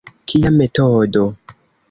Kia metodo!